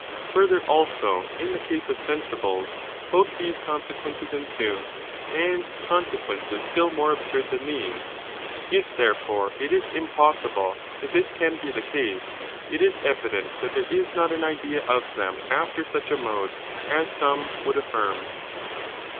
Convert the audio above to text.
Further, also, in the case of sensibles, both s. These jiooDi these consequences ensue, and consequences still co™*®^ more absurd than these ; if, therefore, it is impossible that this can be the case, it is evident that there is not an idea of them after such a mode as some would afi&rm.